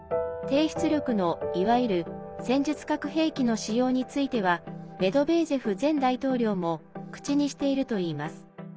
低出力の、いわゆる戦術核兵器の使用についてはメドベージェフ前大統領も口にしているといいます。